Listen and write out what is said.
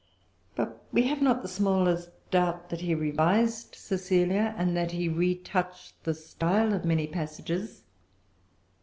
But we have not the smallest doubt that he revised Cecilia, and that he retouched the style of many passages.